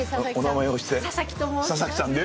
佐々木さんね。